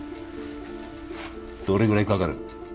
どれぐらいかかる？